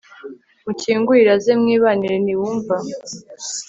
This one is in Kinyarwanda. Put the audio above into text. mukingurire aze mwibanire, niwumva